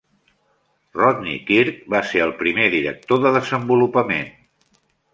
Rodney Kirk va ser el primer director de Desenvolupament.